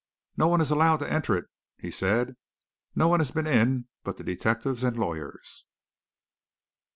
"No one is allowed to enter it," he said. "No one has been in but the detectives and lawyers."